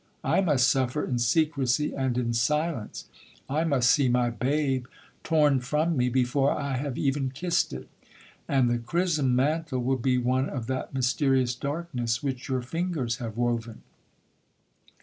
I must suffer in secresy and in silence! I must see my babe torn from me before I have even kissed it,—and the chrism mantle will be one of that mysterious darkness which your fingers have woven!